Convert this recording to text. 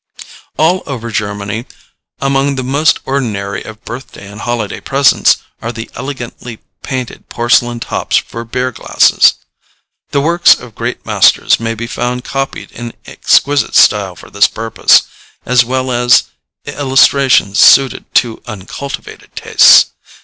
All over Germany, among the most ordinary of birthday or holiday presents are the elegantly painted porcelain tops for beer glasses. The works of great masters may be found copied in exquisite style for this purpose, as well as illustrations suited to uncultivated tastes.